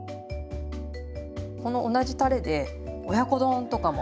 この同じたれで親子丼とかも。